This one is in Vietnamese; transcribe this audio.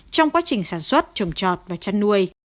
trong quá trình sản xuất trồng trọt và chăn nuôi